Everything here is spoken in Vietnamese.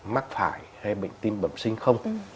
mắc phải hay bệnh tim bẩm sinh không